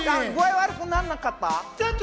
悪くならなかった。